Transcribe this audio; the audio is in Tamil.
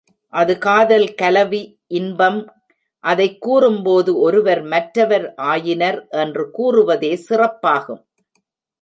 அது காதல் கலவி இன்பம் அதைக் கூறும்போது ஒருவர் மற்றவர் ஆயினர் என்று கூறுவதே சிறப்பாகும்.